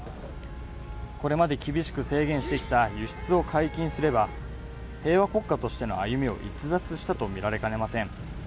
これまで厳しく制限してきた輸出を解禁すれば、平和国家としての歩みを逸脱したとみられかねません。